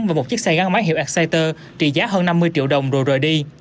và một chiếc xe gắn máy hiệu exciter trị giá hơn năm mươi triệu đồng rồi rời đi